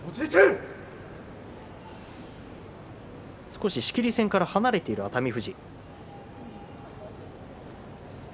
少し仕切り線から離れている熱海富士。